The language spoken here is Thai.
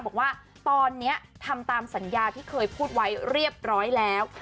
บอกว่าตอนนี้ทำตามสัญญาที่เคยพูดไว้เรียบร้อยแล้ว